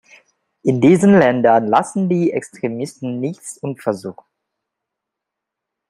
In diesen Ländern lassen die Extremisten nichts unversucht.